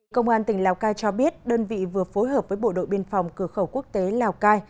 công an tỉnh lào cai cho biết đơn vị vừa phối hợp với bộ đội biên phòng cửa khẩu quốc tế lào cai